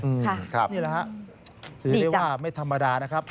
นี่แหละฮะถือได้ว่าไม่ธรรมดานะครับ